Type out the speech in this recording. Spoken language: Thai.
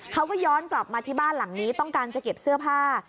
เขาก็ย้อนกลับมาที่บ้านหลังนี้ต้องการจะเก็บเสื้อผ้า